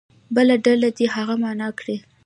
بله ډله دې هغه معنا کړي.